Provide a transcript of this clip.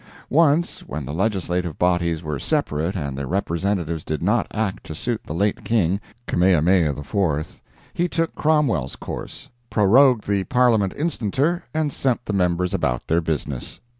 Once, when the legislative bodies were separate and the Representatives did not act to suit the late King (Kamehameha IV), he took Cromwell's course—prorogued the Parliament instanter and sent the members about their business.